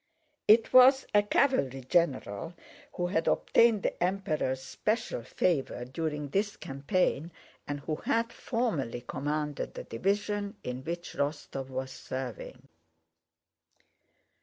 It was a cavalry general who had obtained the Emperor's special favor during this campaign, and who had formerly commanded the division in which Rostóv was serving.